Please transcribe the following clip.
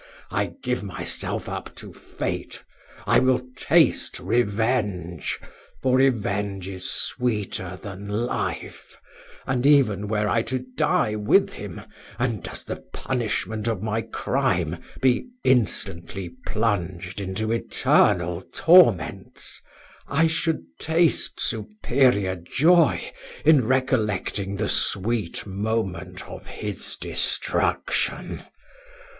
I give myself up to fate: I will taste revenge; for revenge is sweeter than life: and even were I to die with him, and, as the punishment of my crime, be instantly plunged into eternal torments, I should taste superior joy in recollecting the sweet moment of his destruction.